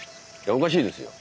おかしいですよ。